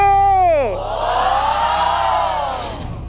โอ้โห